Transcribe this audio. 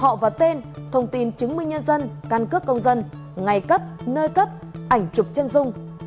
họ và tên thông tin chứng minh nhân dân căn cước công dân ngày cấp nơi cấp ảnh chụp chân dung